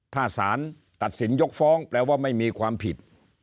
ถ้าสารตัดสินยกฟ้องแปลว่าไม่มีความผิด